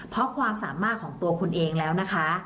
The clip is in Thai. เพราะความสามารถของตัวคุณเองแล้วนะคะ